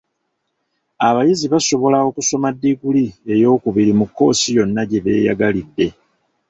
Abayizi basobola okusoma ddiguli eyookubiri mu kkoosi yonna gye beeyagalidde.